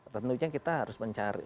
tentunya kita harus mencari